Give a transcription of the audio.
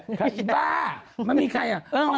บ้าไม่มีใคร